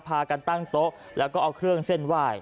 พากันตั้งโต๊ะแล้วก็เอาเครื่องเส้นไหว้